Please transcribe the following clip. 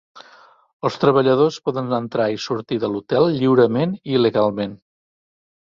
Els treballadors poden entrar i sortir de l'hotel lliurament i legalment.